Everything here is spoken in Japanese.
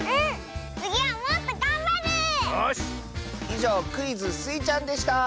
いじょうクイズ「スイちゃん」でした！